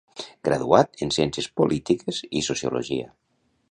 Graduat en Ciències Polítiques i Sociologia.